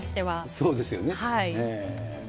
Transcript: そうですよね。